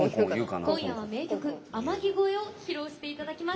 今夜は名曲「天城越え」を披露していただきます。